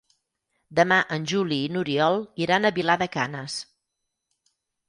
Demà en Juli i n'Oriol iran a Vilar de Canes.